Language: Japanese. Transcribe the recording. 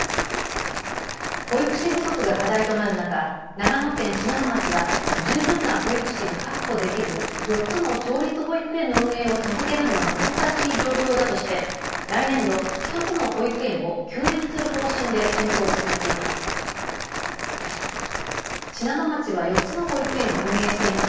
保育士不足が課題となる中、長野県信濃町は十分な保育士が確保できず４つの町立保育園の運営を続けるのは難しい状況だとして来年度１つの保育園を休園する方針で検討を進めています。